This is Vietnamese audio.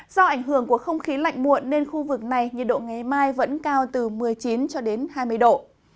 do ảnh hưởng của không khí lạnh muộn nên khu vực này nhiệt độ ngày mai vẫn cao từ một mươi chín cho đến hai mươi độ